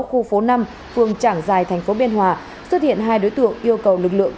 khu phố năm phường trảng giài thành phố biên hòa xuất hiện hai đối tượng yêu cầu lực lượng